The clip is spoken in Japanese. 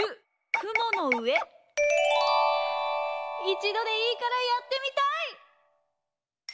いちどでいいからやってみたい！